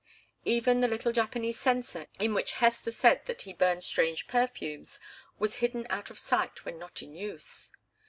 Even the little Japanese censer in which Hester said that he burned strange perfumes was hidden out of sight when not in use.